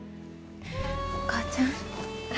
お母ちゃん。